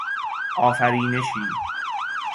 آفرینشی